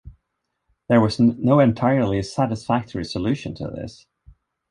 There was no entirely satisfactory solution to this.